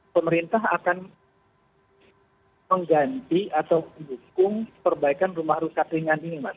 pemerintah akan mengganti atau mendukung perbaikan rumah rusak ringan ini mas